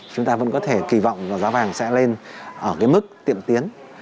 chúng ta vẫn có thể kỳ vọng giá vàng sẽ lên ở mức tiện tiến